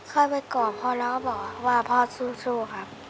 ค่อยไปกอดพ่อแล้วก็บอกว่าพ่อสู้ครับ